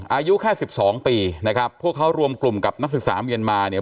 อายุแค่สิบสองปีนะครับพวกเขารวมกลุ่มกับนักศึกษาเมียนมาเนี่ย